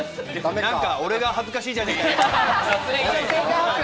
なんか俺が恥ずかしいじゃねぇか。